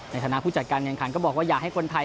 ในฐานะผู้จัดการแข่งขันก็บอกว่าอยากให้คนไทย